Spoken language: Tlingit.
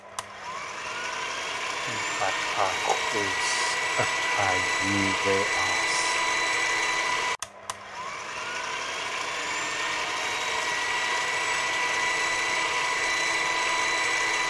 Jinkaat k̲aa x̲ʼoos a kaayí wé aas.